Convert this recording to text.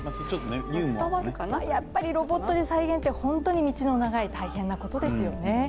やっぱりロボットで再現って本当に道の長い大変なことですよね。